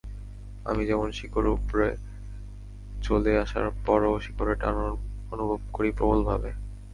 আমি যেমন শিকড় ওপরে চলে আসার পরও শিকড়ের টান অনুভব করি প্রবলভাবে।